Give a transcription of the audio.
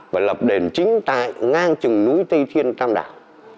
và lập đền chính tại ngang chừng núi tây thiên cam đảo